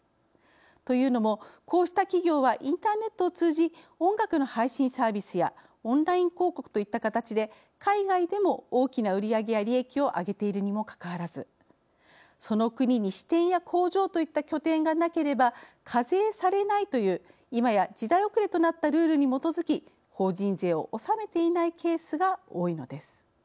というのもこうした企業はインターネットを通じ音楽の配信サービスやオンライン広告といった形で海外でも大きな売り上げや利益をあげているにもかかわらずその国に支店や工場といった拠点がなければ課税されないという今や時代遅れとなったルールに基づき法人税を納めていないケースが多いのです。